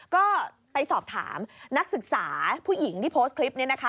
ก็ไปสอบถามนักศึกษาผู้หญิงที่โพสต์คลิปนี้นะคะ